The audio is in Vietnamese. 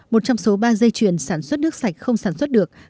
một trong số ba dây chuyền sản xuất nước sạch không sản xuất được